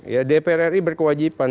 ya dpr ri berkewajiban